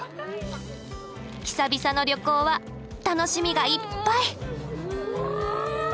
久々の旅行は楽しみがいっぱい！